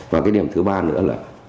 và cái điểm thứ ba nữa là